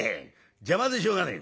邪魔でしょうがねえ」。